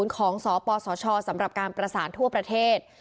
สปสชสำหรับการประสานทั่วประเทศ